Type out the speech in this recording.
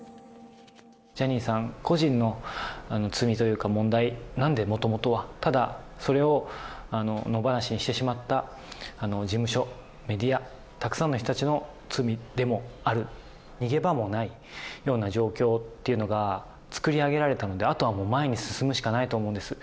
ジャニーさん個人の罪というか問題なんで、もともとは、ただ、それを野放しにしてしまった事務所、メディア、たくさんの人たちの罪でもある。逃げ場もないような状況っていうのが作り上げられたので、あとはもう、前に進むしかないと思うんです。